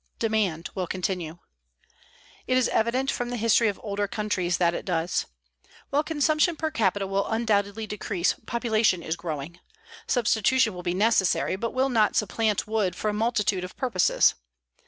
DEMAND WILL CONTINUE It is evident, from the history of older countries, that it does. While consumption per capita will undoubtedly decrease, population is growing. Substitution will be necessary, but will not supplant wood for a multitude of purposes.